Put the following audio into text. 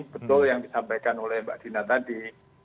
betul yang disampaikan oleh mbak dina tadi